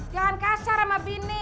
jangan kasar sama bini